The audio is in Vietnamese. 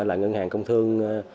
là ngân hàng công thương